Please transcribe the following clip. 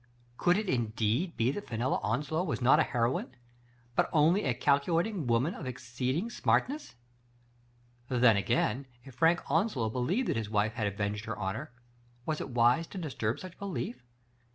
Could it indeed be that Fenella Onslow was not a heroine, but only a calculating woman of exceeding smartness? Then, again, if Frank Onslow believed that his wife had avenged her honor, was it wise to disturb such belief?